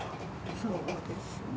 そうですね